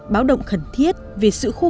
báo động khẩn thiết về sự khô kỳ